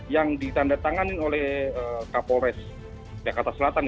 yang ditandatangani oleh kapolres jakarta selatan